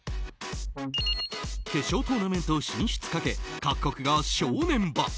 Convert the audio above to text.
決勝トーナメント進出かけ各国が正念場。